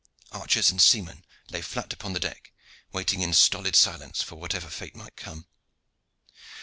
Archers and seamen lay flat upon the deck, waiting in stolid silence for whatever fate might come.